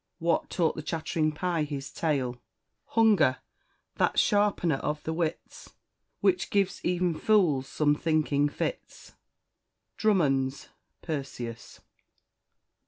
What taught the chattering pie his tale? Hunger; that sharpener of the wits, Which gives e'en fools some thinking fits" DRUMMOND'S _Persius.